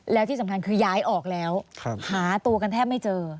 แล้วที่สำคัญคือย้ายออกแล้วหาตัวกันแทบไม่เจอ